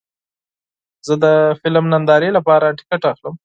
زه د فلم نندارې لپاره ټکټ اخلم.